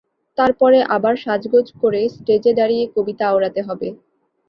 তার পরে আবার সাগগোজ করে স্টেজে দাঁড়িয়ে কবিতা আওড়াতে হবে।